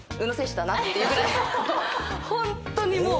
ホントにもう。